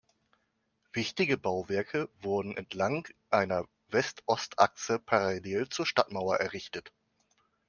Wichtige Bauwerke wurden entlang einer West-Ost-Achse parallel zur Stadtmauer errichtet.